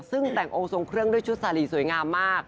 ซึ่งแต่งองค์ทรงเครื่องด้วยชุดสาลีสวยงามมาก